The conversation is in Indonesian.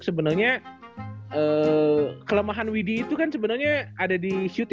sebenernya kelemahan widi itu kan sebenernya ada di shoot ya